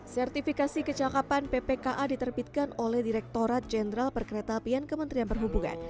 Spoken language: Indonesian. sertifikasi kecakapan ppka diterbitkan oleh direkturat jenderal perkereta apian kementerian perhubungan